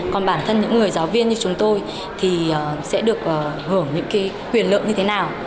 còn bản thân những người giáo viên như chúng tôi thì sẽ được hưởng những quyền lợi như thế nào